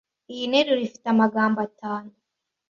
Iyi nteruro ifite amagambo atanu.